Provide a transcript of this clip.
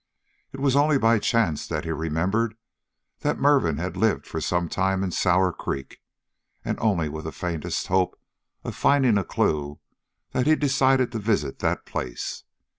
It was only by chance that he remembered that Mervin had lived for some time in Sour Creek, and only with the faintest hope of finding a clue that he decided to visit that place.